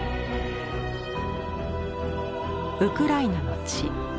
ウクライナの地